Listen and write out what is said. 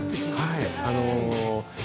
はい。